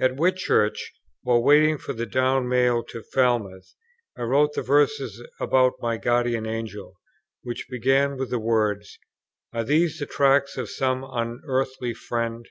At Whitchurch, while waiting for the down mail to Falmouth, I wrote the verses about my Guardian Angel, which begin with these words: "Are these the tracks of some unearthly Friend?"